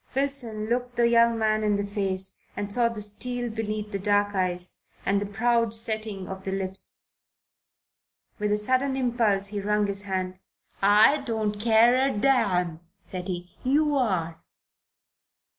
Wilson looked the young man in the face and saw the steel beneath the dark eyes, and the Proud setting of the lips. With a sudden impulse he wrung his hand. "I don't care a damn!" said he. "You are."